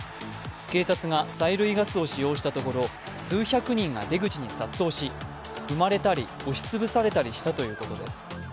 警察が催涙ガスを使用したところ、数百人が出口に殺到し踏まれたり押しつぶされたりしたということです。